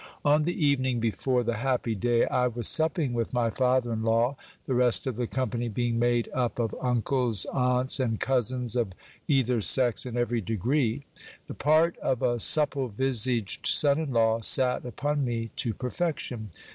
On the evening before the happy day, I was supping with my father in law, the rest of the company being made up of uncles, aunts, and cousins of either sex and every degree. The part of a supple visaged son in law sat upon me to oerfection.